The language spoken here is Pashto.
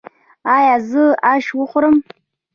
ایا زه اش وخورم؟